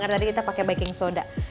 karena tadi kita pakai baking soda